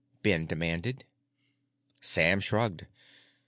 Ben demanded. Sam shrugged.